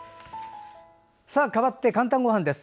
かわって「かんたんごはん」です。